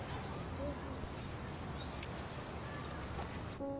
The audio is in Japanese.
うん。